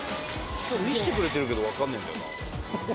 見せてくれてるけどわかんねえんだよな。